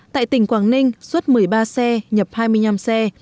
tại tỉnh quảng ninh xuất một mươi ba xe nhập hai mươi năm xe